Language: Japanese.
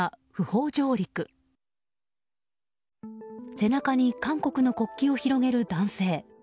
背中に韓国の国旗を広げる男性。